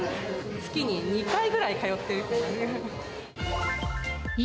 月に２回ぐらい通ってるかな。